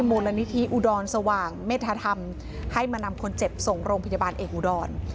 มูลนิธิอุดรสว่างเมธธรรมให้มานำคนเจ็บส่งโรงพยาบาลเอกอุดร